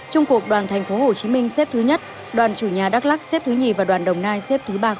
trung cuộc đoàn thành phố hồ chí minh xếp thứ nhất đoàn chủ nhà đắk lắc xếp thứ nhì và đoàn đồng nai xếp thứ ba khu vực